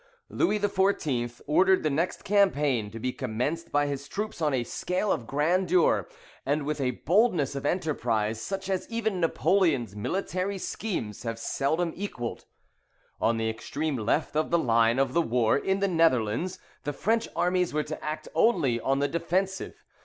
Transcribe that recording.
Louis XIV. ordered the next campaign to be commenced by his troops on a scale of grandeur and with a boldness of enterprise, such as even Napoleon's military schemes have seldom equalled. On the extreme left of the line of the war, in the Netherlands, the French armies were to act only on the defensive.